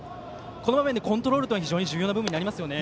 この場面でコントロールが非常に重要になりますね。